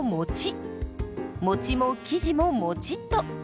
もちも生地ももちっと。